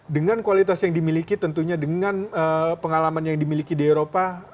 dengan kualitas yang dimiliki tentunya dengan pengalaman yang dimiliki di eropa